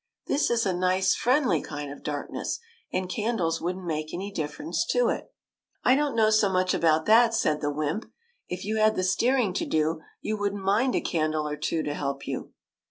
This is a nice, friendly kind of darkness, and candles would n't make any dif ference to it." '' I don't know so much about that," said the wymp ;" if you had the steering to do, you would n't mind a candle or two to help you."